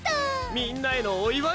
みんなへのおいわい！